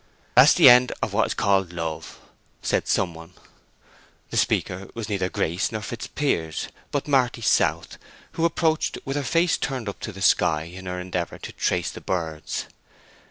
"That's the end of what is called love!" said some one. The speaker was neither Grace nor Fitzpiers, but Marty South, who approached with her face turned up to the sky in her endeavor to trace the birds.